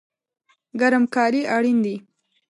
ګرم کالی اړین دي